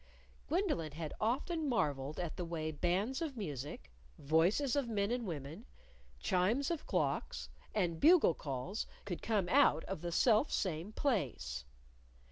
Gwendolyn had often marveled at the way bands of music, voices of men and women, chimes of clocks, and bugle calls could come out of the self same place.